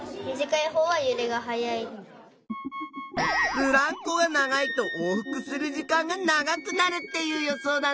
ブランコが長いと往復する時間が長くなるっていう予想だね。